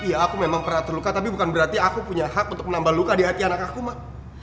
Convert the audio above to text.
ya aku memang pernah terluka tapi bukan berarti aku punya hak untuk menambah luka di hati anak aku mah